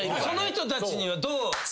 その人たちにはどう。